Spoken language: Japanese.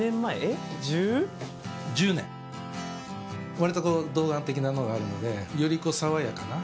割と童顔的なのがあるのでより。